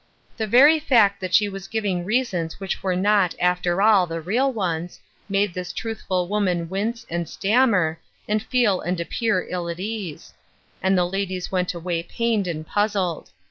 The very fact that she was giving reasons which were not, after all, the real ones, made this truth ful woman wince, and stammer, and feel and appear ill at ease ; and the ladies went away pained and puzzled.